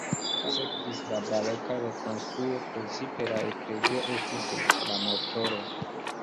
Sekvis la baroka rekonstruo, precipe la eklezio estis la motoro.